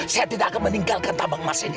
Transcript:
saya tidak akan meninggalkan tambang emas ini